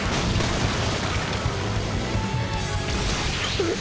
うっ！